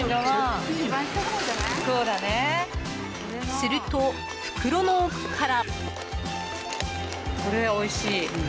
すると、袋の奥から。